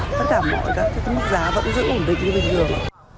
tất cả mọi mức giá vẫn giữ ổn định như bình thường